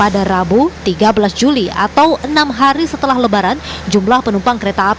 dapat tiketnya ya pak